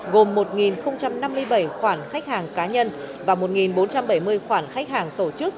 gồm một năm mươi bảy khoản khách hàng cá nhân và một bốn trăm bảy mươi khoản khách hàng tổ chức